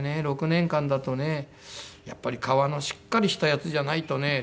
６年間だとねやっぱり革のしっかりしたやつじゃないとね」。